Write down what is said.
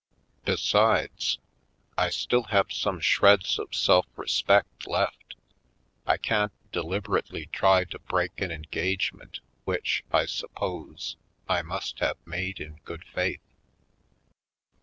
Besides, I still have some shreds of self re spect left. I can't deliberately try to break an engagement which, I suppose, I must have made in good faith."